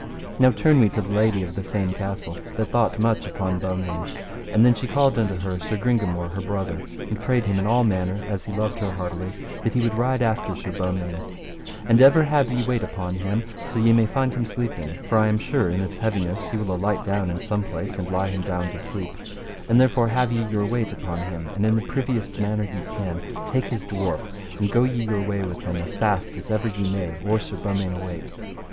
Now turn we to the lady of the same castle, that thought much upon Beaumains, and then she called unto her Sir Gringamore her brother, and prayed him in all manner, as he loved her heartily, that he would ride after Sir Beaumains: And ever have ye wait upon him till ye may find him sleeping, for I am sure in his heaviness he will alight down in some place, and lie him down to sleep; and therefore have ye your wait upon him, and in the priviest manner ye can, take his dwarf, and go ye your way with him as fast as ever ye may or Sir Beaumains awake.